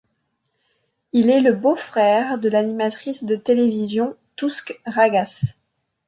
Il est le beau-frère de l'animatrice de télévision Tooske Ragas.